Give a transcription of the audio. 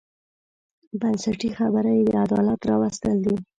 بنسټي خبره یې د عدالت راوستل دي.